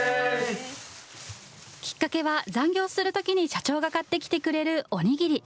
きっかけは残業するときに社長が買ってきてくれるお握り。